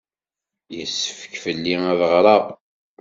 Yessefk fell-i ad ɣreɣ?